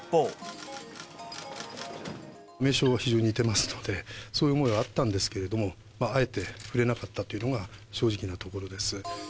名称は非常に似てますので、そういう思いはあったんですけど、あえて触れなかったというのが正直なところです。